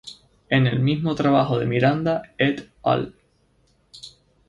En el mismo trabajo de Miranda "et al".